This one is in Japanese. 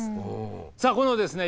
さあこのですね